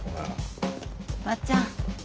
まっちゃん。